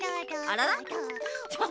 あらら？